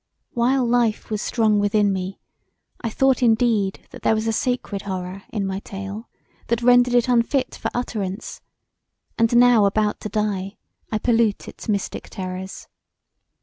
While life was strong within me I thought indeed that there was a sacred horror in my tale that rendered it unfit for utterance, and now about to die I pollute its mystic terrors.